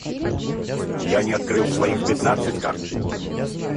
Я не открыл своих пятнадцать карт.